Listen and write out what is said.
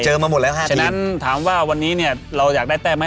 มาหมดแล้วฮะฉะนั้นถามว่าวันนี้เนี่ยเราอยากได้แต้มไหม